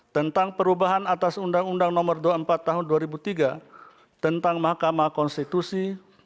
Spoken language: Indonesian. tentang perubahan atas undang undang nomor dua puluh empat tahun dua ribu tiga tentang mahkamah konstitusi